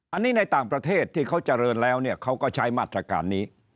อันนี้ในต่างประเทศที่เขาเจริญแล้วเนี่ยเขาก็ใช้มาตรการนี้